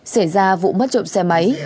xảy ra vụ mất trộm xe máy